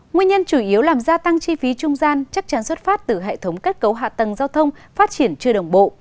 nguyên nhân chủ yếu làm gia tăng chi phí trung gian chắc chắn xuất phát từ hệ thống kết cấu hạ tầng giao thông phát triển chưa đồng bộ